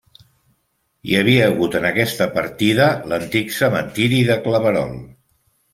Hi havia hagut en aquesta partida l'antic cementiri de Claverol.